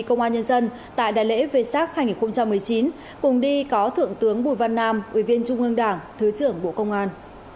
công an nhân dân tại đại lễ vê sát hai nghìn một mươi chín cùng đi có thượng tướng bùi văn nam ủy viên trung ương đảng thứ trưởng bộ công an